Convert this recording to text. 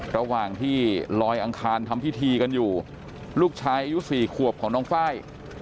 ระหว่างที่ลอยอังคารทำพิธีกันอยู่ลูกชายอายุ๔ขวบของน้องไฟล์